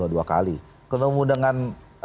dua kali ketemu dengan